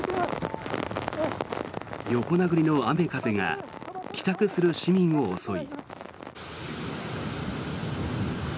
横殴りの雨風が帰宅する市民を襲い。